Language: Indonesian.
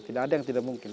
tidak ada yang tidak mungkin